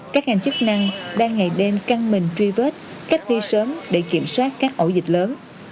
các ngành chức năng đang ngày đêm căng mình truy vết cách ly sớm để kiểm soát các ổ dịch lớn